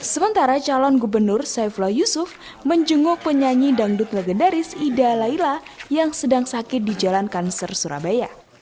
sementara calon gubernur saifullah yusuf menjenguk penyanyi dangdut legendaris ida laila yang sedang sakit di jalan kanser surabaya